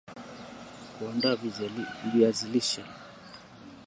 kuandaa viazi lishe